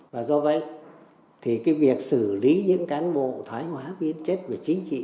và do vậy thì việc xử lý những cán bộ thái hóa biến chất về chính trị